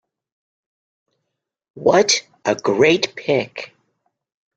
What a great pic!